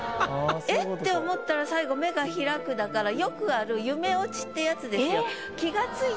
えっ？って思ったら最後「目が開く」だからよくある夢オチってやつですよ。